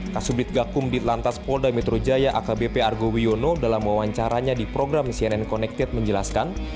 kasubit gakum ditlantas polda metro jaya akbp argo wiono dalam wawancaranya di program cnn connected menjelaskan